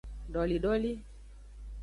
Dolidoli.